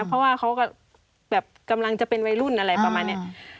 เพราะว่าเขาก็แบบกำลังจะเป็นวัยรุ่นอะไรประมาณนี้